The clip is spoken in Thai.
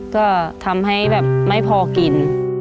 ก็ทำให้แบบไม่พอกิน